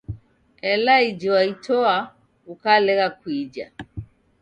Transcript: Ela iji waitoa, ukalegha kuija.